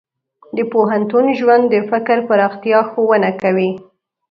د پوهنتون ژوند د فکر پراختیا ښوونه کوي.